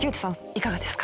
いかがですか？